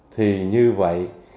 thì như vậy